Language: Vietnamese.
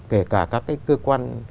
kể cả các cái cơ quan